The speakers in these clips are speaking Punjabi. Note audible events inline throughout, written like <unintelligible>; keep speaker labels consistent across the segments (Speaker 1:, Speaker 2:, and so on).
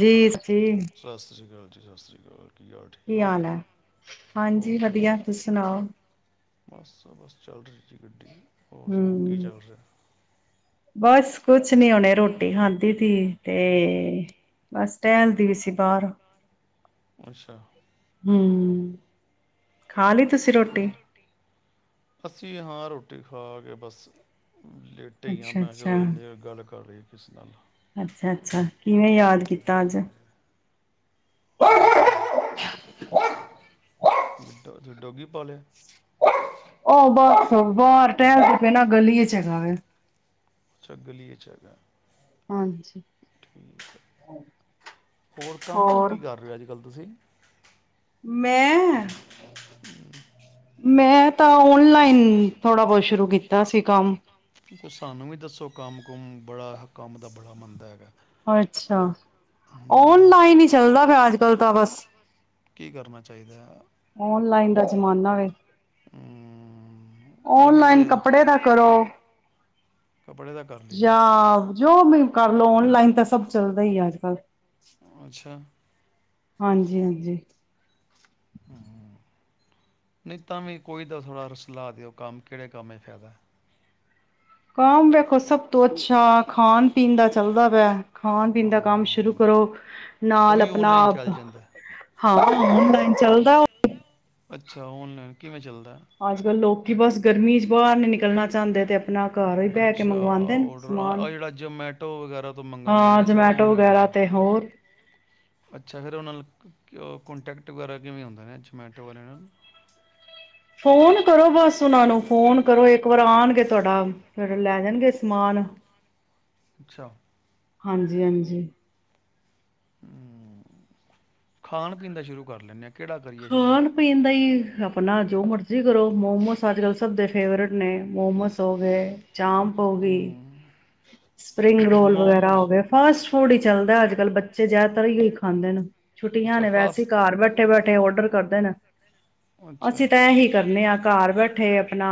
Speaker 1: ਜੀ-ਜੀ।
Speaker 2: ਸਤਿ ਸ੍ਰੀ ਅਕਾਲ ਜੀ, ਸਤਿ ਸ਼੍ਰੀ ਅਕਾਲ। ਹਾਲ ਠੀਕ
Speaker 1: ਕੀ
Speaker 2: ਹੋ
Speaker 1: ਹਾਲ ਹੈ, ਹਾਂਜੀ ਵਧੀਆ ਤੁਸੀ ਸੁਣਾਓ।
Speaker 2: ਬਸ-ਬਸ ਚੱਲ ਰਹੀ ਹੈ ਜੀ ਗੱਡੀ। ਹੋਰ ਸੁੰਨਾਔ ਕੀ
Speaker 1: ਹਮ
Speaker 2: ਚੱਲ ਰਿਹਾ?
Speaker 1: ਬਸ ਕੁਛ ਨੀ ਹਹਣੇ ਰੋਟੀ ਖਾਂਦੀ ਸੀ, ਤੇ ਬਸ ਟਹਿਲਦੀ ਪੀ ਸੀ ਬਾਹਰ ਹੂੰ।
Speaker 2: ਅੱਛਾ
Speaker 1: ਹੂੰ। ਖਾ ਲਈ ਤੁਸੀਂ ਰੋਟੀ।
Speaker 2: ਰੁਟੀ ਖਾ ਕੇ ਬਸ ਲੇਟੇ ਹੀ ਹਾਂ
Speaker 1: ਅੱਛਾ
Speaker 2: ਮੈਂ
Speaker 1: ਅੱਛਾ
Speaker 2: ਚਲੋ ਇੰਨੇ ਗੱਲ ਕਰ ਲਇਏ ਕਿਸੇ ਨਾਲ
Speaker 1: ਅੱਛਾ ਅੱਛਾ ਕਿਵੇਂ
Speaker 2: ਥੋੜ੍ਹੀ
Speaker 1: ਯਾਦ
Speaker 2: ਬਹੁਤੀ
Speaker 1: ਕੀਤਾ
Speaker 2: ਗੱਲ
Speaker 1: ਅੱਜ
Speaker 2: ਹੋਜੇ। ਹੋਰ ਸੁਣਾਔ, ਗਡੋ ਡੋਗੀ ਬੋਲ
Speaker 1: ਉਹ ਬੱਸ ਬਾਹਰ ਟਹਿਲ ਦੇ ਪਏ ਨਾ ਗਲੀ ਏਚ ਹੈਗਾ।
Speaker 2: ਅੱਛਾ, ਗਲੀ ਵਿਚ ਹੈਗਾ।
Speaker 1: ਹਾਂਜੀ
Speaker 2: ਠੀਕ ਹੈ ਕੰਮ ਕੁਮ
Speaker 1: ਹੋਰ
Speaker 2: ਕੀ ਕਰ ਰਹੇ ਹੋ ਅੱਜ ਕੱਲ੍ਹ ਤੁਸੀਂ।
Speaker 1: ਮੈਂ
Speaker 2: <unintelligible>
Speaker 1: ਮੈਂ ਤਾਂ ਓਨਲਾਈਨ ਥੋੜ੍ਹਾ ਬਹੁਤ ਸ਼ੁਰੂ ਕੀਤਾ ਸੀ ਕੰਮ
Speaker 2: ਕੁਛ ਸਾਨੂੰ ਵੀ ਦੱਸੋ ਕੰਮ ਕੁਮ ਬੜਾ ਕੰਮ ਦਾ ਬੜਾ ਮੰਨਦਾ ਹੈਗਾ।
Speaker 1: ਅੱਛਾ
Speaker 2: ਹਮ,
Speaker 1: ਓਨਲਾਈਨ ਹੀ ਚੱਲਦਾ ਪਿਆ ਅੱਜ ਕੱਲ ਤਾਂ ਬਸ
Speaker 2: ਕੀ ਕਰਨਾ ਚਾਹੀਦਾ ਹੈ
Speaker 1: ਓਨਲਾਈਨ ਦਾ ਜ਼ਮਾਨਾ ਵੇ
Speaker 2: ਹੂੰ ਉਹੀ
Speaker 1: ਓਨਲਾਈਨ
Speaker 2: ਤੇ
Speaker 1: ਕੱਪੜੇ ਦਾ ਕਰੋ।
Speaker 2: ਕੱਪੜੇ ਦਾ ਕਰ ਲਈਏ
Speaker 1: ਯਾ ਜੋ ਵੀ ਕਰ ਲਓ ਔਨਲਾਈਨ ਤਾਂ ਸਭ ਚੱਲਦਾ ਹੀ ਆ ਅੱਜ ਕੱਲ੍ਹ
Speaker 2: ਅੱਛਾ।
Speaker 1: ਹਾਂਜੀ, ਹਾਂਜੀ
Speaker 2: ਹੂੰ, ਨਹੀਂ ਤਾਂਵੀ ਕੋਈ ਤਾਂ ਸਲਾ ਦਿਓ ਕੰਮ ਕਿਹੜੇ ਕੰਮ ਚ ਫਾਇਦੇ।
Speaker 1: ਕੰਮ ਦੇਖੋ ਸਭ ਤੋਂ ਅੱਛਾ ਖਾਣ ਪੀਣ ਦਾ ਚੱਲਦਾ ਪਿਆ। ਖਾਣ ਪੀਣ ਦਾ ਕੰਮ ਸ਼ੁਰੂ
Speaker 2: ਹਾਂ
Speaker 1: ਕਰੋ
Speaker 2: ਉਹ
Speaker 1: ਨਾਲ
Speaker 2: ਵੀ
Speaker 1: ਆਪਣਾ
Speaker 2: ਔਨਲਾਈਨ
Speaker 1: ਆਪ
Speaker 2: ਚੱਲ ਜਾਂਦਾ
Speaker 1: ਹਾਂ ਚੱਲਦਾ।
Speaker 2: ਅੱਛਾ, ਔਨਲਾਈਨ ਕਿਵੇਂ ਚੱਲਦਾ।
Speaker 1: ਅੱਜ ਕੱਲ੍ਹ ਲੋਕ ਕਿ ਬਸ ਗਰਮੀ ਚ ਬਾਹਰ ਨਿਕਲਣਾ ਜਾਂਦੇ ਤੇ ਆਪਣਾ ਘਰ ਬਹਿ ਕੇ
Speaker 2: ਅੱਛਾ
Speaker 1: ਮੰਗਵਾਉਂਦੇ ਨੇ
Speaker 2: ਔਡਰ
Speaker 1: ਸਮਾਨ,
Speaker 2: ਆ ਜਿਹੜਾ ਜਮੈਟੋ ਵਗੈਰਾ ਤੋਂ ਮੰਗਵਾਉਂਦੇ
Speaker 1: ਹਾਂ
Speaker 2: ਨੇ ਅੱਛਾ
Speaker 1: ਜਮੈਟੋ
Speaker 2: ਉਹੀ
Speaker 1: ਵਗੈਰਾ
Speaker 2: ਹੁੰਦਾ
Speaker 1: ਤੇ ਹੋਰ
Speaker 2: ਅੱਛਾ ਫਿਰ ਉਹਨਾਂ ਨਾਲ ਕੋਂਟੈਕਟ ਵਗੈਰਾ ਕਿਵੇਂ ਹੁੰਦਾ ਨੇ ਜਮੈਂਟੋ ਵਾਲਿਆਂ ਨਾਲ
Speaker 1: ਫੋਨ ਕਰੋ ਬਸ ਉਹਨਾਂ ਨੂੰ ਫ਼ੋਨ ਕਰੋ ਇੱਕ ਵਾਰ ਆਣਗੇ ਤੁਹਾਡਾ ਫਿਰ ਲੈ ਜਾਣਗੇ ਸਮਾਨ
Speaker 2: ਅੱਛਾ
Speaker 1: ਹਾਂਜੀ ਹਾਂਜੀ
Speaker 2: ਹੂੰ ਖਾਣ ਪੀਣ ਦਾ ਸ਼ੁਰੂ ਕਰ ਲੈਂਦੇ ਹਾਂ ਕਿਹੜਾ ਕਰੀਏ ਸ਼ੁਰੂ
Speaker 1: ਖਾਣ ਪੀਣ ਦਾ ਹੀ ਆਪਣਾ ਜੋ ਮਰਜੀ ਕਰੋ ਮੋਮੋਸ ਅੱਜ ਕੱਲ ਸਭ ਦੇ ਫੇਵਰੇਟ ਨੇ ਮੋਮੋਸ ਹੋ ਗਏ ਚਾਂਪ ਹੋ ਗਈ,
Speaker 2: ਹੂੰ
Speaker 1: ਸਪਰਿੰਗ ਰੋਲ ਵਗੈਰਾ
Speaker 2: ਮੋਮੋਸ
Speaker 1: ਹੋ ਗਏ, ਫਾਸਟ ਫੂਡ ਹੀ ਚੱਲਦਾ ਏ ਅੱਜ ਕੱਲ੍ਹ ਬੱਚੇ ਜ਼ਿਆਦਾਤਰ ਇਹੀ ਖਾਂਦੇ ਨੇ ਛੁੱਟੀਆਂ
Speaker 2: ਅੱਛਾ
Speaker 1: ਨੇ ਵੈਸੇ
Speaker 2: ਫਾਸਟ
Speaker 1: ਘਰ ਬੈਠੇ ਬੈਠੇ ਔਡਰ ਕਰਦੇ ਨੇ
Speaker 2: ਨੇ
Speaker 1: ਅਸੀਂ ਤਾਂ
Speaker 2: ਅੱਛਾ
Speaker 1: ਇਹੀ ਕਰਨੇ ਹਾਂ ਘਰ ਬੈਠੇ ਆਪਣਾ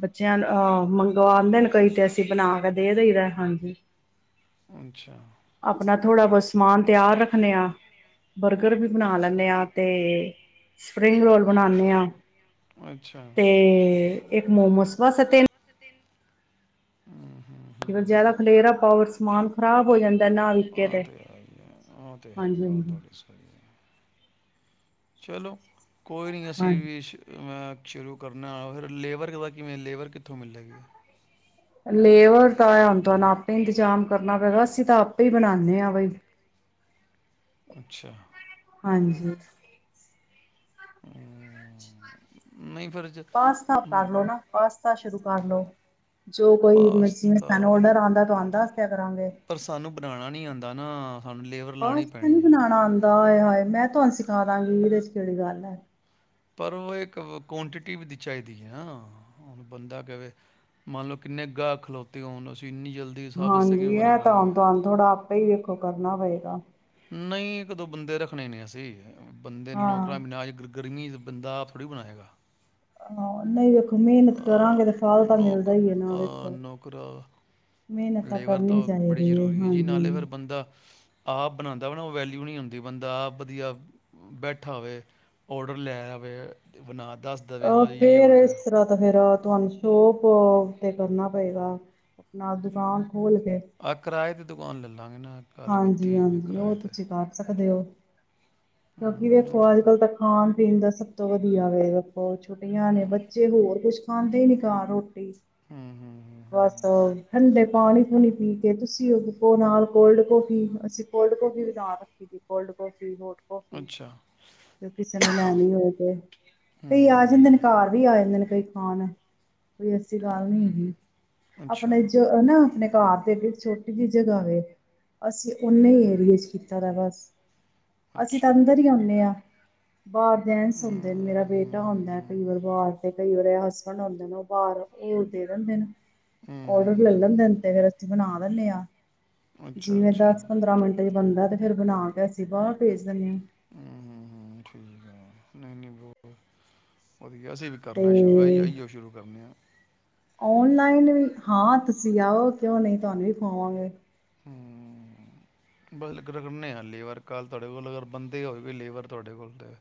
Speaker 1: ਬੱਚਿਆਂ ਅ ਮੰਗਵਾਉਂਦੇ ਨੇ ਕਈ ਤੇ ਅਸੀਂ ਬਣਾ ਕੇ ਦੇ ਦੇਈਦਾ ਹਾਂਜੀ
Speaker 2: ਅੱਛਾ
Speaker 1: ਥੋੜਾ ਬਹੁਤ ਸਮਾਨ ਤਿਆਰ ਰੱਖਣੇ ਆਾ ਬਰਗਰ ਵੀ ਬਣਾ ਲੈਂਣੇ ਹਾਂ। ਤੇ ਸਪਰਿੰਗ ਰੋਲ ਬਣਾਣੇ ਹਾਂ। <unintelligible>
Speaker 2: ਅੱਛਾ
Speaker 1: ਤੇ ਇੱਕ ਮੋਮੋਸ ਬਸ ਅਤੇ
Speaker 2: ਹਮ
Speaker 1: ਜਿਆਦਾ ਖਲੇਰਾ ਪਾਵ ਸਮਾਨ ਖ਼ਰਾਬ ਹੋ ਜਾਂਦਾ ਨਾ, ਵਿਕੇ
Speaker 2: ਆਹ
Speaker 1: ਤੇ
Speaker 2: ਹੈ ਹੀ ਹੈ ਆਹ ਤੇ ਹੈ
Speaker 1: ਹਾਂਜੀ
Speaker 2: ਗੱਲ
Speaker 1: ਹਾਂਜੀ
Speaker 2: ਤੁਹਾਡੀ ਸਹੀ ਹੈ ਚਲੋ ਕੋਈ ਨਹੀਂ ਅਸੀਂ
Speaker 1: ਹਾਂਜੀ
Speaker 2: ਵੀ ਮੈਂ ਸ਼ੁਰੂ ਕਰਨਾ ਫਿਰ, ਲੇਬਰ ਕਿਵੇਂ ਲੇਬਰ ਕਿੱਥੋਂ ਮਿਲਲੇਗੀ ਹੈ
Speaker 1: ਲੇਬਰ ਤਾਂ ਹੈ ਹੁਣ ਤੁਹਾਨੂੰ ਆਪੇ ਇੰਤਜ਼ਾਮ ਕਰਨਾ ਪਏਗਾ, ਅਸੀਂ ਤਾਂ ਆਪੇ ਹੀ ਬਣਾਉਂਦੇ ਹਾਂ ਬਈ
Speaker 2: ਅੱਛਾ
Speaker 1: ਹਾਂਜੀ
Speaker 2: <unintelligible> ਨਹੀਂ ਫਿਰ ਜ-
Speaker 1: ਪਾਸਤਾ
Speaker 2: ਮ,
Speaker 1: ਕਰਲੋ ਨਾ ਪਾਸਤਾ <unintelligible> ਸ਼ੁਰੂ ਕਰ ਲਓ ਜੋ ਕੋਈ
Speaker 2: ਪਾਸਤਾ
Speaker 1: ਸਾਨੂੰ ਆਰਡਰ ਆਉਂਦਾ ਤਾਂ ਆਉਂਦਾ ਕਰਾਂਗੇ
Speaker 2: ਪਰ ਸਾਨੂੰ ਬਣਾਉਣਾ ਨਹੀਂ
Speaker 1: <unintelligible>
Speaker 2: ਆਉਂਦਾ ਨਾ ਸਾਨੂੰ ਲੇਬਰ ਲਾਣੀ ਪੈਣੀ ਹੈ
Speaker 1: ਬਣਾਉਣਾ ਆਉਂਦਾ ਆਏ -ਹਾਏ ਮੈਂ ਤੁਹਾਨੂੰ ਸਿਖਾ ਦਾਂਗੀ ਇਹਦੇ ਚ' ਕਿਹੜੀ ਗੱਲ ਹੈ
Speaker 2: ਪਰ ਉਹ ਇੱਕ ਕੁਆਂਟਿਟੀ ਵੀ ਚਾਹੀਦੀ ਹੈ ਨਾ, ਬੰਦਾ ਕਵੇ ਮੰਨ ਲਓ ਕਿੰਨੇ ਗਾਹਕ ਖਲੋਤੇ ਹੋਣ ਇੰਨੀ ਜਲਦੀ ਸਭ ਵਾਸਤੇ ਕਿਵੇਂ
Speaker 1: ਹਾਂਜੀ, ਇਹ ਤਾਂ
Speaker 2: ਬਣਾਵਾਂਗੇ
Speaker 1: ਹੁਣ ਤੁਹਾਨੂੰ ਥੋੜਾ ਆਪੇ ਹੀ ਵੇਖੋ ਕਰਨਾ ਪਏ ਅੱਛਾ
Speaker 2: ਨਹੀਂ, ਇੱਕ -ਦੋ ਬੰਦੇ ਰੱਖਣੇ ਨੇ ਅਸੀਂ ਬੰਦੇ ਨੌਕਰਾ
Speaker 1: ਹਾਂ
Speaker 2: <unintelligible> ਗਰਮੀਚ ਬੰਦਾ ਆਪ ਥੋੜ੍ਹੀ ਬਣਾਏਗਾ।
Speaker 1: ਹਾਂ, ਨਹੀਂ ਵੇਖੋ ਮਿਹਨਤ ਕਰਾਂਗੇ ਤੇ
Speaker 2: ਅਹ
Speaker 1: ਫਲ ਤਾਂ ਮਿਲਦਾ
Speaker 2: ਨੌਕਰ
Speaker 1: ਹੀ ਹੈ ਨਾ
Speaker 2: ਅਹ
Speaker 1: ਵੇਖੋ,
Speaker 2: ਨੌਕਰ
Speaker 1: ਮਿਹਨਤ ਤਾਂ
Speaker 2: ਲੇਬਰ
Speaker 1: ਕਰਨੀ
Speaker 2: ਬੜੀ
Speaker 1: ਚਾਹੀਦੀ ਹੈ
Speaker 2: ਜ਼ਰੂਰੀ ਜੀ
Speaker 1: ਹਾਂਜੀ
Speaker 2: ਦਾ ਮੈ ਨਾ ਉਹ ਵੈਲਿਊ ਨਹੀਂ ਆਉਦੀ, ਬੰਦਾ ਵਧੀਆ ਬੈਠਾ ਹੋਵੇ ਔਡਰ ਲੈ ਆਵੇ ਬਣਾ ਦੱਸ ਦਵੇ
Speaker 1: ਆਹ
Speaker 2: ਹਾਂ ਜੀ ਇਹ
Speaker 1: ਫੇਰ
Speaker 2: ਆਰਡਰ
Speaker 1: ਇਸ
Speaker 2: ਹੈ
Speaker 1: ਤਰ੍ਹਾਂ ਦਾ ਫਿਰ ਤੁਹਾਨੂੰ ਸ਼ੋਪ ਤੇ ਕਰਨਾ ਪਏਗਾ, ਆਪਣਾ ਦੁਕਾਨ ਖੋਲ ਕੇ
Speaker 2: ਆਹ ਕਿਰਾਏ ਤੇ ਦਵਾਨ ਲੈ ਲ
Speaker 1: ਹਾਂਜੀ, ਹਾਂਜੀ ਉਹ ਤੁਸੀਂ ਕਰ ਸਕਦੇ ਹੋ <unintelligible> ਕਿਉਂਕਿ,
Speaker 2: ਹੂੰ ਉਹ
Speaker 1: ਵੇਖੋ ਅੱਜ
Speaker 2: ਤੇ-
Speaker 1: -ਕੱਲ ਤਾਂ ਖਾਣ ਪੀਣ ਦਾ ਸਭ ਵਧੀਆ ਵੇ ਤੇ, ਛੁਟੀਆਂ ਨੇ ਬੱਚੇ ਹੋਰ ਕੁਛ ਖਾਂਦੇ ਹੀ ਨੀ ਘਾਰੋ
Speaker 2: ਹੂੰ ਹੂੰ ਹੂੰ, ਹੂੰ,
Speaker 1: ਬਸ
Speaker 2: ਹੂੰ।
Speaker 1: ਠੰਡੇ ਪਾਣੀ ਪਾਣੀ ਪੀ ਕੇ ਤੁਸੀਂ ਉਹੋ ਨਾਲ ਕੋਲਡ ਕੋਫ਼ੀ ਅਸੀਂ ਕੋਲਡ ਕੌਫ਼ੀ ਬਣਾ ਰੱਖੀ ਜੀ, ਕੋਲਡ ਕੋਫ਼ੀ, ਹੋਟ- ਕੋਫ਼ੀ
Speaker 2: ਅੱਛਾ
Speaker 1: ਜੇ ਕਿਸੇ ਨੇ ਲੈਣੀ ਹੋ ਤੇ, ਕਈ
Speaker 2: ਹੂੰ
Speaker 1: ਆ
Speaker 2: ਹੂੰ
Speaker 1: ਜਾਂਦੇ ਨੇ
Speaker 2: ਹੂੰ
Speaker 1: ਘਰ ਵੀ ਆ ਜਾਂਦੇ ਨੇ ਕਈ ਹਾਨੇ ਕੋਈ ਐਸੀ ਗੱਲ ਨਹੀ ਹੈਗੀ।
Speaker 2: ਅੱਛਾ
Speaker 1: ਆਪਣੇ ਜੋ ਨਾ ਆਪਣੇ ਘਰ ਦੇ ਅੱਗੇ ਛੋਟੀ ਜਿਹੀ ਜਗ੍ਹਾ ਵੇ ਅਸੀਂ ਉਨੇ ਈ ਏਰੀਏ ਚ' ਕੀਤਾ ਦਾ ਬਸ ਅਸੀਂ ਤਾਂ
Speaker 2: ਅੱਛਾ
Speaker 1: ਅੰਦਰ ਹੀ
Speaker 2: ਹੂੰ
Speaker 1: ਆਉਦੇ ਹਾਂ ਬਾਹਰ ਜੈਂਟਸ ਹੁੰਦੇ ਮੇਰਾ
Speaker 2: ਹੂੰ
Speaker 1: ਬੇਟਾ
Speaker 2: ਹੂੰ
Speaker 1: ਹੁੰਦਾ ਕਈ
Speaker 2: ਹੂੰ।
Speaker 1: ਵਾਰ ਬਾਹਰ ਕਈ ਵਾਰ ਹਸਬੈਂਡ ਹੁੰਦੇ ਨੇ ਉਹ ਬਾਹਰ ਇਹ ਦੇ ਦੰਦੇ ਨੇ
Speaker 2: ਹੂੰ ਹੂੰ
Speaker 1: ਔਡਰ
Speaker 2: ਹੂੰ
Speaker 1: ਲੈਂਦੇ ਨੇ
Speaker 2: ਹੂੰ।
Speaker 1: ਤੇ ਫਿਰ ਅਸੀਂ ਬਣਾ ਬਣਿਆ
Speaker 2: ਅੱਛਾ
Speaker 1: ਜਿਵੇਂ
Speaker 2: ਅੱਛਾ
Speaker 1: ਦੱਸ
Speaker 2: ਹੂੰ
Speaker 1: ਪੰਦਰਾਂ ਮਿੰਟ ਚ'ਬਣਦਾ ਤੇ ਫਿਰ ਬਣਾ ਕੇ ਅਸੀ ਬਾਹਰ ਭੇਜ ਦਿਨੇ ਆ
Speaker 2: ਹੂੰ ਹੋਰ ਉਹਦੀ ਅਸੀਂ ਵੀ ਕਰਨਾ ਸ਼ੁਰੂ ਆ ਆਈਓ ਸ਼ੁਰੂ ਕਰਨੇ ਆ
Speaker 1: ਓਨਲਾਈਨ ਵੀ ਹਾਂ ਤੁਸੀਂ ਆਓ ਕਿਉਂ ਨਹੀਂ ਤੁਹਾਨੂੰ ਵੀ ਖਾਵਾਂਗੇ
Speaker 2: ਹਮ ਬਸ ਲਗੇ ਪਏ ਲੇਵਰ ਕੱਲ੍ਹ ਤੁਹਾਡੇ ਕੋਲ ਅਗਰ ਬੰਦੇ ਹੋਏਗੀ ਲੇਵਰ ਤੁਹਾਡੇ ਕੋਲ ਤਾਂ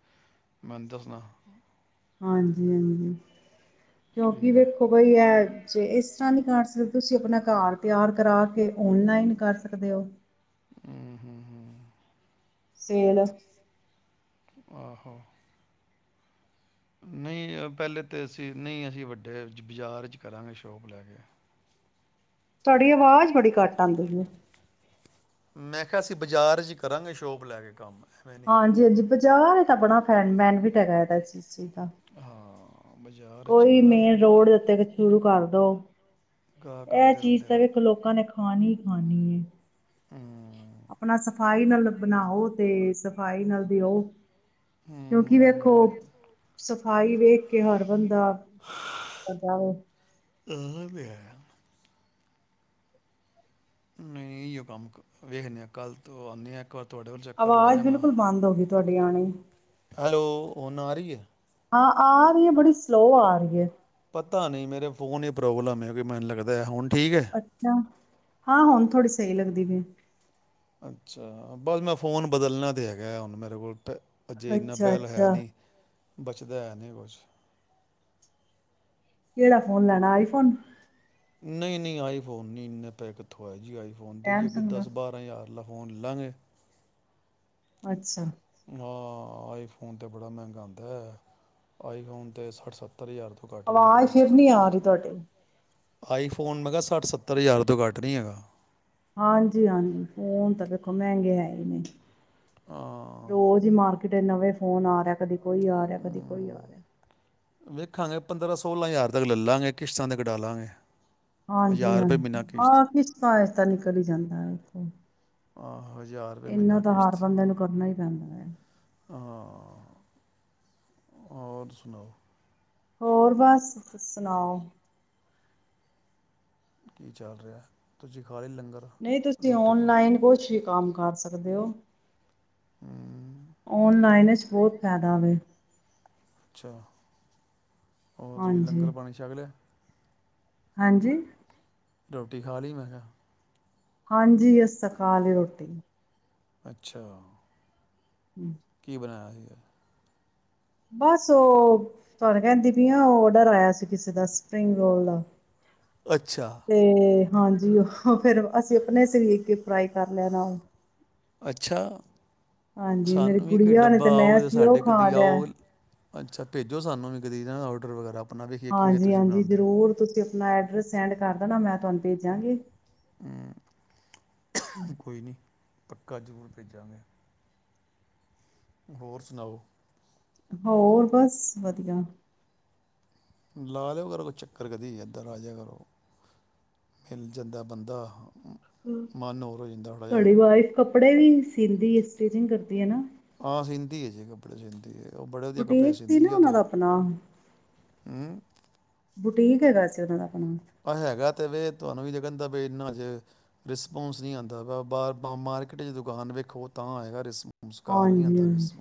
Speaker 2: ਮੈਨੂੰ ਦੱਸਨਾ
Speaker 1: ਹਾਂਜੀ ਹਾਂਜੀ ਕਿਉਂਕਿ
Speaker 2: ਠੀਕ ਹੈ
Speaker 1: ਵੇਖੋ ਬਈ ਆ ਜੇ ਇਸ ਤੁਸੀਂ ਆਪਣਾ ਘਰ ਤਿਆਰ ਕਰਾ ਕੇ ਓਨਲਾਈਨ ਕਰ ਸਕਦੇ ਹੋ
Speaker 2: ਹੂੰ ਹੂੰ ਹੂੰ
Speaker 1: ਸੇਲ
Speaker 2: ਆਹੋ ਨਹੀਂ ਪਹਿਲੇ ਤਾਂ ਅਸੀਂ ਨਹੀਂ ਅਸੀਂ ਵੱਡੇ ਬਾਜ਼ਾਰ 'ਚ ਕਰਾਂਗੇ ਸ਼ੋਪ ਲੈ ਕੇ
Speaker 1: ਤੁਹਾਡੀ ਆਵਾਜ਼ ਬੜੀ ਘੱਟ ਆਉਂਦੀ ਹੈ।
Speaker 2: ਮੈਂ ਕਿਹਾ ਅਸੀਂ ਬਾਜ਼ਾਰ ਚ ਕਰਾਂਗੇ ਸ਼ੋਪ ਲੈ ਕੇ ਕੰਮ ਐਵੇਂ ਨਹੀਂ
Speaker 1: ਹਾਂਜੀ ਹਾਂਜੀ ਬਾਜ਼ਾਰ ਤਾਂ ਬੜਾ <unintelligible> ਤਾ
Speaker 2: ਹਾਂ ਬਾਜ਼ਾਰ 'ਚ ਹੀ
Speaker 1: ਕੋਈ ਮੇਨ
Speaker 2: ਕਰਾਂਗੇ
Speaker 1: ਰੋਡ ਉਤੇ ਸ਼ੁਰੂ ਕਰ ਦੋ
Speaker 2: ਗਾਹਕ
Speaker 1: ਇਹ
Speaker 2: ਆਂਦੇ
Speaker 1: ਚੀਜ਼
Speaker 2: ਰਹਿੰਦੇ ਨਾ
Speaker 1: ਵੇਖੋ ਲੋਕਾਂ ਨੇ ਖਾਣ ਹੀ ਖਾਣੀ
Speaker 2: ਹੂੰ
Speaker 1: ਆਪਣਾ ਸਫ਼ਾਈ ਨਾਲ ਬਣਾਓ ਤੇ ਸਫ਼ਾਈ ਨਾਲ ਦਿਓ ਕਿਉਂਕਿ
Speaker 2: ਹੂੰ ਹੂੰ
Speaker 1: ਵੇਖੋ
Speaker 2: ਹੂੰ।
Speaker 1: ਸਫਾਈ ਵੇਖ ਕੇ ਹਰ ਬੰਦਾ <unintelligible>
Speaker 2: ਇਹ ਵੀ ਹੈ ਨਹੀਂ ਇਓ ਕੰਮ ਵੇਖਦੇ ਆ ਕੱਲ ਤੋਂ ਆਉਂਦੇ ਆ ਇੱਕ ਵਾਰ ਤੁਹਾਡੇ ਕੋਲ ਚੱਕਰ ਲਾ
Speaker 1: ਆਵਾਜ਼
Speaker 2: ਜਾਵਾਂਗਾ
Speaker 1: ਬਿਲਕੁਲ ਬੰਦ ਹੋ ਗਈ ਤੁਹਾਡੀ <unintelligible>
Speaker 2: ਹੈਲੋ ਹੁਣ ਆ ਰਹੀ ਹੈ
Speaker 1: ਹਾਂ ਆ ਰਹੀ ਹੈ ਬੜੀ ਸਲੋਅ ਆ ਰਹੀ ਹੈ
Speaker 2: ਪਤਾ ਨੀ ਮੇਰੇ ਫੋਨ ਹੀ ਪ੍ਰੋਬਲਮ ਹੈ ਕਿ ਮੈਨੂੰ ਲੱਗਦਾ ਹੁਣ ਠੀਕ ਹੈ
Speaker 1: ਅੱਛਾ ਹਾਂ ਹੁਣ ਥੋੜੀ ਸਹੀ ਲੱਗਦੀ ਪਈ
Speaker 2: ਅੱਛਾ ਬਸ ਮੈਂ ਫੋਨ ਬਦਲਣਾ ਤਾਂ ਹੈਗਾ ਹੁਣ ਮੇਰੇ ਕੋਲ ਅਜੇ ਇੰਨਾ ਬਹਿਲ ਹੈ
Speaker 1: ਅੱਛਾ-ਅੱਛਾ
Speaker 2: ਨਹੀਂ ਬਚਦਾ ਐ ਨਹੀਂ ਕੁਛ
Speaker 1: ਕਿਹੜਾ ਫੋਨ ਲੈਣਾ ਆਈਫ਼ੋਨ
Speaker 2: ਨਹੀਂ ਨਹੀਂ ਆਈਫੋਨ ਨੀ ਇੰਨੇ ਪੈ ਕਿੱਥੋਂ ਆਏ ਜੀ <unintelligible>
Speaker 1: ਸੈਮਸੰਗ ਦਾ
Speaker 2: ਦਸ ਬਾਰ੍ਹਾਂ ਹਜ਼ਾਰ ਫੋਨ ਲੇ ਲਂਗੇ
Speaker 1: ਅੱਛਾ
Speaker 2: ਹਾਂ ਆਈਫੋਨ ਤੇ ਬੜਾ ਮਹਿੰਗਾ ਆਦਾ ਹੈ। ਆਈਫੋਨ ਤਾਂ ਸੱਠ ਸੱਤਰ ਹਜ਼ਾਰ ਤੋਂ ਘੱਟ ਨਹੀਂ ਹੈਗਾ
Speaker 1: ਆਵਾਜ਼ ਫਿਰ ਨਹੀਂ ਆ ਰਹੀ। ਤੁਹਾਡੀ
Speaker 2: ਆਈਫੋਨ, ਮੈਂ ਕਿਹਾ ਸੱਠ-ਸੱਤਰ ਹਜ਼ਾਰ ਤੋਂ ਘੱਟ ਨਹੀਂ ਹੈਗਾ।
Speaker 1: ਹਾਂਜੀ-ਹਾਂਜੀ ਫੋਨ ਤਾਂ ਦੇਖੋ, ਮਹਿੰਗੇ ਹੈ ਹੀ ਨੇ।
Speaker 2: ਹਾਂ
Speaker 1: ਰੋਜ਼ ਹੀ ਮਾਰ- -ਕੀਤੇ ਨਵੇਂ ਫੋਨ ਆ ਰਿਹਾ, ਕਦੀ ਕੋਈ ਆ ਰਿਹਾ, ਕਦੀ ਕੋਈ ਆ
Speaker 2: ਹਮ,
Speaker 1: ਰਿਹਾ।
Speaker 2: ਵੇਖਾਂਗੇ, ਪੰਦਰਾਂ-ਸੋਲਾਂ ਹਜ਼ਾਰ ਤੱਕ ਲੈ ਲਾਂਗੇ, ਕਿਸ਼ਤਾਂ ਤੇ ਕਢਾਲਾਂਗੇ।
Speaker 1: ਹਾਂਜੀ-ਹਾਂਜੀ ਆਹ ਕਿਸ਼ਤਾਂ ਇਹ ਤਾਂ ਨਿਕਲ ਹੀ ਜਾਂਦਾ।
Speaker 2: ਆਹ <unintelligible> ਹਜ਼ਾਰ ਰੁਪਏ
Speaker 1: ਇੰਨਾ
Speaker 2: ਮਹੀਨਾ
Speaker 1: ਤਾਂ ਹਰ
Speaker 2: ਕਿਸ਼ਤ,
Speaker 1: ਬੰਦੇ ਨੂੰ ਕਰਨਾ ਹੀ ਪੈਂਦਾ ਹੈ।
Speaker 2: ਹਾਂ। ਹੋਰ ਸੁਣਾਓ।
Speaker 1: ਹੋਰ ਬਸ, ਸੁਣਾਓ।
Speaker 2: ਕੀ ਚੱਲ ਰਿਹਾ ਤੁਸੀ
Speaker 1: ਨਹੀਂ, ਤੁਸੀਂ ਔਨਲਾਈਨ ਕੁਛ ਵੀ ਕੰਮ ਕਰ ਸਕਦੇ ਹੋ। ਸਕਦੇ ਓ।
Speaker 2: ਹੂੰ
Speaker 1: ਵਿੱਚ ਬਹੁਤ ਫਾਇਦਾ ਵਾ।
Speaker 2: ਅੱਛਾ। ਹੋਰ, ਤੁਸੀਂ ਲੰਗਰ
Speaker 1: ਹਾਂਜੀ
Speaker 2: ਪਾਣੀ ਛਕ ਲਿਆ।
Speaker 1: ਹਾਂਜੀ।
Speaker 2: ਰੋਟੀ ਖਾ ਲਈ, ਮੈਂ ਕਿਹਾ,
Speaker 1: ਹਾਂਜੀ, ਅਸੀਂ ਤਾਂ ਖਾ ਲਈ ਰੋਟੀ।
Speaker 2: ਅੱਛਾ।
Speaker 1: ਹੂੰ
Speaker 2: ਕੀ ਬਣਾਇਆ ਸੀਗਾ।
Speaker 1: ਬਸ ਉਹ ਤੁਹਾਨੂੰ ਕਹਿੰਦੀ ਪਈ ਆ ਆਰਡਰ ਆਇਆ ਸੀ ਕਿਸੇ ਦਾ ਸਪਰਿੰਗ ਰੋਲ ਦਾ।
Speaker 2: ਅੱਛਾ।
Speaker 1: ਤੇ ਹਾਂਜੀ, ਉਹ ਫਿਰ ਅਸੀਂ ਆਪਣੇ ਅਸੇ ਵੀ ਸੇ ਵੀ ਇੱਕ-ਇੱਕ ਫਰਾਈ ਕਰ ਲਿਆ ਨਾਲ।
Speaker 2: ਅੱਛਾ।
Speaker 1: ਹਾਂਜੀ, ਮੇਰੀ
Speaker 2: ਸਾਨੂੰ ਵੀ ਕੋਈ
Speaker 1: ਗੁੜੀਆ ਨੇ
Speaker 2: ਡੱਬਾ
Speaker 1: ਤੇ ਮੈਂ
Speaker 2: ਆਓਗੇ ਤਾਂ
Speaker 1: ਅਸੀ ਉਹ
Speaker 2: ਸਾਡੇ
Speaker 1: ਖਾ
Speaker 2: ਕਦੀ
Speaker 1: ਲਿਆ।
Speaker 2: ਆਓ ਅੱਛਾ ਭੇਜੋ ਸਾਨੂੰ ਵੀ ਕਦੀ ਇਹ ਨਾ ਆਰਡਰ ਵਗੈਰਾ। ਆਪਣਾ ਵੇਖੀਏ ਕਿਵੇਂ ਤੁਸੀਂ
Speaker 1: ਹਾਂਜੀ-ਹਾਂਜੀ,
Speaker 2: ਬਣਾਉਂਦੇ ਹੋ
Speaker 1: ਜ਼ਰੂਰ ਤੁਸੀਂ- ਆਪਣਾ ਐਡਰੈਸ ਸੈਂਡ ਕਰ ਦੇਣਾ ਮੈਂ ਤੁਹਾਨੂੰ ਭੇਜਾਂਗੀ।
Speaker 2: ਕੋਈ ਨਹੀਂ। ਪੱਕਾ ਜ਼ਰੂਰ ਭੇਜਾਗੇ। ਹੋਰ ਸੁਣਾਓ।
Speaker 1: ਹੋਰ, ਬਸ ਵਧੀਆ।
Speaker 2: ਲਾ ਲਿਆ ਕਰੋ ਕੋਈ ਚੱਕਰ ਕਦੀ ਇਧਰ ਆ ਜਾਇਆ ਕਰੋ ਮਿਲ ਜਾਂਦਾ ਬੰਦਾ। ਮ-
Speaker 1: ਹਮ
Speaker 2: ਮਨ ਹੋਰ ਹੋ ਜਾਂਦਾ ਥੋੜ੍ਹਾ ਜਿਹਾ
Speaker 1: ਤੁਹਾਡੀ ਵਾਈਫ ਕੱਪੜੇ ਵੀ ਸੀਂਦੀ ਏ। ਸਟੀਚਿੰਗ ਕਰਦੀ ਹੈ ਨਾ।
Speaker 2: ਹਾਂ ਸਿਂਦੀ ਹੈ ਜੀ ਕੱਪੜੇ ਸਿਂਦੀ ਹੈ। ਉਹ ਬੜੇ ਵਧੀਆ ਕਪੜੇ
Speaker 1: ਬੁਟੀਕ ਸੀ
Speaker 2: ਸੀਂਦੀ
Speaker 1: ਨਾ
Speaker 2: ਹੈ ਉਹ
Speaker 1: ਉਹਨਾਂ
Speaker 2: ਤੇ,
Speaker 1: ਦਾ ਆਪਣਾ
Speaker 2: ਹਮ
Speaker 1: ਟੀਕ ਹੈਗਾ ਸੀ ਉਹਨਾਂ ਦਾ। ਆਪਣਾ
Speaker 2: ਹਾਂ ਹੈਗਾ। ਤੇ ਵੀ ਤੁਹਾਨੂੰ ਵੀ ਨਹੀਂ ਕਹਿੰਦਾ ਪਿਆ ਇੰਨਾ ਹਜੇ ਰਿਸਪੋਂਸ ਨਹੀਂ ਆਉਂਦਾ ਵਾ ਬਾਹਰ ਬ ਮਾਰਕੀਟ ਚ ਦੁਕਾਨ ਵੇਖੋ ਤਾਂ ਆਇਗਾ ਰਿਸਪੋਂ
Speaker 1: ਹਾਂਜੀ-ਹਾਂਜੀ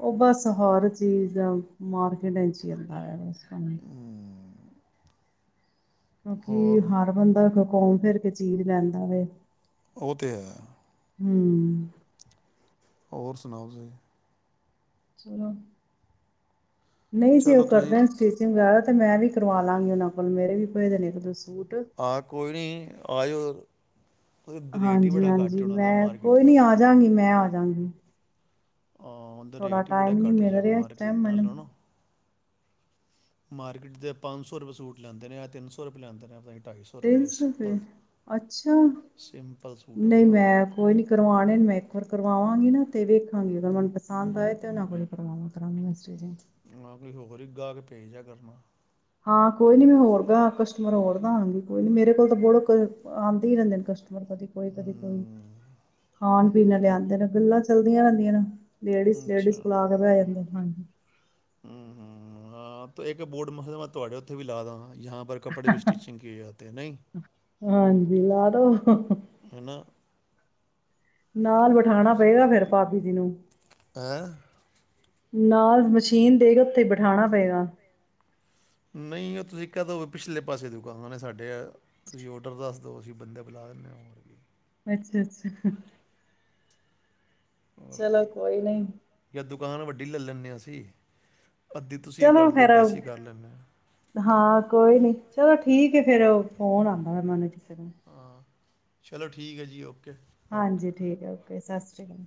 Speaker 1: ਉਹ ਬਸ ਹਾਰ ਚੀਜ਼ ਮਾਰਕੀਟ ਇਚ ਹੀ ਆਂਦਾ ਬਸ। <unintelligible> ਕਿਉਂਕਿ
Speaker 2: ਹੋਰ
Speaker 1: ਹਰ ਬੰਦਾ ਘੁੰਮ ਫਿਰ ਕੇ ਚੀਜ਼ ਲੈਂਦਾ ਵੇ।
Speaker 2: ਉਹ ਤੇ ਹੈ।
Speaker 1: ਹਮ
Speaker 2: ਹੋਰ ਸੁਣਾਓ ਤੁਸੀਂ
Speaker 1: ਚੱਲੋ ਨਹੀਂ ਜੀ ਉਹ
Speaker 2: ਚਲੋ ਤੁਸੀਂ
Speaker 1: ਕਰਦੈ ਸਟਿਚਿੰਗ <unintelligible> ਤੇ ਮੈਂ ਵੀ ਕਰਵਾ ਲਾਂਗੀ ਉਹਨਾਂ ਕੋਲ ਮੇਰੇ ਵੀ ਪਏ ਦੇ ਨੇ ਇੱਕ ਦੋ ਸੂ
Speaker 2: ਹਾਂ ਕੋਈ ਨੀ ਆ ਜਾਓ। <unintelligible>
Speaker 1: ਹਾਂਜੀ-ਹਾਂਜੀ ਮੈਂ
Speaker 2: ਮਾਰਕੀਟ
Speaker 1: ਕੋਈ ਨੀ
Speaker 2: ਨਾਲੋਂ
Speaker 1: ਆ ਜਾਗੀ ਮੈਂ ਆ ਜਾਂਗੀ।
Speaker 2: ਹਾਂ ਉਹਦਾ
Speaker 1: ਥੋੜ੍ਹਾ
Speaker 2: ਰੇਟ ਹੀ ਬੜਾ
Speaker 1: ਟਾਈਮ ਨਹੀਂ
Speaker 2: ਘੱਟ
Speaker 1: ਮਿਲ
Speaker 2: ਜਿਹਾ
Speaker 1: ਰਿਹਾ ਇਸ ਟਾਈਮ
Speaker 2: ਮਾਰਕੀਟ
Speaker 1: ਮੈਨੂੰ
Speaker 2: ਨਾਲੋਂ ਨਾ। ਮਾਰਕੀਟ ਦੇ ਪੰਜ ਸੌ ਰੁਪਏ ਸੂਟ ਲੈਂਦੇ ਨੇ, ਏ ਤਿੰਨ ਸੌ ਰੁਪਏ ਲੈਂਦੇ ਨੇ ਆਪਣੇ।
Speaker 1: ਤਿੰਨ ਸੌ ਰੁਪਏ, ਅੱਛਾ,
Speaker 2: ਸਿੰਪਲ ਸੂਟ ਦਾ
Speaker 1: ਨਹੀਂ ਮੈਂ
Speaker 2: ਹਾਂ
Speaker 1: ਕੋਈ ਨੀ ਕਰਵਾਣੇ ਮੈਂ ਇੱਕ ਵਾਰ ਕਰਵਾਵਾਂਗੀ ਨਾ ਤੇ ਵੇਖਾਂਗੀ, ਐ ਪਸੰਦ ਆਏ ਤੇ ਉਹਨਾਂ ਕੋਲ ਕਰਵਾਵਾਂ ਕਰਾਂਗੀ ਮੈਂ ਸੂਟ।
Speaker 2: ਮੈਂ ਕੋਈ ਹੋਰ ਹੀ ਗਾਹਕ ਭੇਜ ਦਿਆ ਕਰਨਾ।
Speaker 1: ਹਾਂ ਕੋਈ ਨੀ ਮੈਂ ਹੋਰ ਗਾਹਕ ਕਟਮਰ ਹੋਰ ਤਾਂ ਆਉਣਗੇ, ਕੋਈ ਨੀ ਮੇਰੇ ਕੋਲ ਤਾਂ ਬੁੜ ਕੇ ਆਂਦੇ ਹੀ ਰੇਨਦੇ ਨੇ ਕਸਟ ਕਦੀ ਕੋਈ, ਕਦੀ ਕੋਈ,
Speaker 2: ਹੂੰ
Speaker 1: ਖਾਣ ਬੀ ਇਨ੍ਹਾਂ ਲਿਆਂਦੇ ਨ, ਗੱਲਾਂ ਚੱਲਦੀਆਂ ਰਹਿੰਦੀਆਂ ਨੇ ਲੇਡੀਸ -ਲੇਡੀਸ ਕੋਲ ਆ ਕੇ ਬਹਿ ਜਾਂਦੇ। ਹਾਂਜੀ।
Speaker 2: ਹਮ -ਹਮ ਹਾਂ ਤੇ ਇੱਕ ਬੋਡ, ਮਸ ਮੈਂ ਤੁਹਾਡੇ ਉੱਥੇ ਵੀ ਲਾ ਦਾਂਗਾ। ਯਾਂ ਪਰ ਕੱਪੜੇ ਵੀ ਸਟੀਿਚਿੰਗ ਕੀਏ ਜਾਤੇ ਨਹੀਂ,
Speaker 1: ਹਾਂਜੀ ਲਾ ਦੋ
Speaker 2: ਹੈ ਨਾ।
Speaker 1: ਨਾਲ ਬਿਠਾਣਾ
Speaker 2: ਤੁਸੀਂ
Speaker 1: ਪਏਗਾ, ਫਿਰ
Speaker 2: ਕੋਈ
Speaker 1: ਭਾਭੀ ਜੀ ਨੂੰ।
Speaker 2: ਹੈਂ
Speaker 1: ਨਾਲ ਮਸ਼ੀਨ ਦੇ ਕੇ ਉੱਥੇ ਬਿਠਾਣਾ ਪਏਗਾ।
Speaker 2: ਨਹੀਂ ਉਹ ਤੁਸੀਂ ਕਹਿ ਦਓ ਪਿਛਲੇ ਪਾਸੇ ਦੁਕਾਨ ਹੈ ਸਾਡੇ ਆ, ਤੁਸੀਂ ਔਡਰ ਦੱਸ ਦਿਉ ਅਸੀਂ ਬੰਦੇ ਬੁਲਾ ਦਿੰਦੇ ਹੋਰ ਵੀ
Speaker 1: ਅੱਛਾ- ਅੱਛਾ।
Speaker 2: ਹੋਰ ਕੀ
Speaker 1: ਚਲੋ ਕੋਈ ਨ
Speaker 2: ਜਾਂ ਦੁਕਾਨ ਵੱਢੀ ਲੈਲਿਨੇ ਆ ਅਸੀਂ। ਅੱਧੀ ਤੁਸੀਂ
Speaker 1: ਚਲੋ
Speaker 2: ਕਰ ਲਓ
Speaker 1: ਫੇਰ
Speaker 2: ਅੱਧੀ ਅਸੀਂ ਕਰ ਲੈਂਦੇ ਹਾਂ
Speaker 1: ਹਾਂ ਕੋਈ ਨੀ, ਚਲੋ ਠੀਕ ਏ ਫੇਰ। ਫੋਨ ਆਉਂਦਾ ਵ ਮਨੂੰ ਕਿਸੇ ਦਾ।
Speaker 2: ਹਾਂ ਚਲੋ ਠੀਕ ਹੈ, ਜੀ ਓਕੇ। ਓਕੇ
Speaker 1: ਹਾਂਜੀ, ਠੀਕ ਹੈ ਓਕੇ ਸਤਿ ਸ਼੍ਰੀ ਅਕਾਲ।